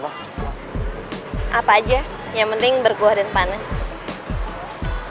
paul or apa aja yang penting berguah dan panas